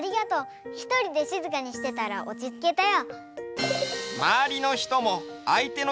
ひとりでしずかにしてたらおちつけたよ。